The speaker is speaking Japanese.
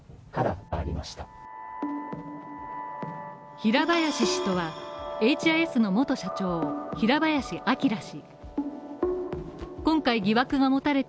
平林氏とはＨＩＳの元社長・平林朗氏。